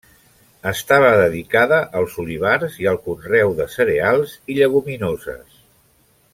Estava dedicada als olivars i al conreu de cereals i lleguminoses.